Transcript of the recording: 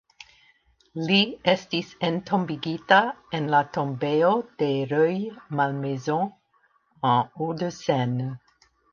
Li estis entombigita en la tombejo de Rueil-Malmaison en Hauts-de-Seine.